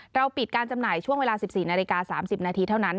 ปิดการจำหน่ายช่วงเวลา๑๔นาฬิกา๓๐นาทีเท่านั้น